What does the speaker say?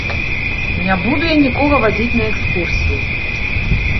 Не буду я нікога вадзіць на экскурсіі.